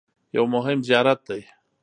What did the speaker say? یو مهم زیارت دی.